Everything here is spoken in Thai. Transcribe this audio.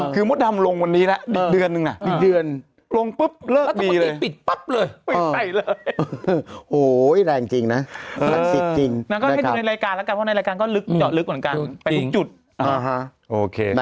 เค้กกับผมคือคนเดียวกันไหมแล้วก็ปลาริดาคือใคร